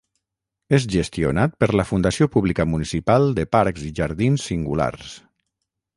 És gestionat per la Fundació Pública Municipal de Parcs i Jardins Singulars.